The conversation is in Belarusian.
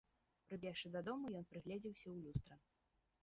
Прыбегшы дадому, ён прыгледзеўся ў люстра.